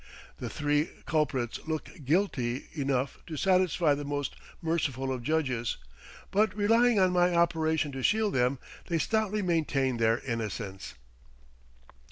The three culprits look guilty enough to satisfy the most merciful of judges, but, relying on my operation to shield them, they stoutly maintain their innocence.